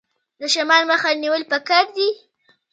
د شمال مخه نیول پکار دي؟